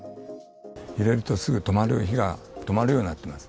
揺れるとすぐ止まる、火が止まるようになってます。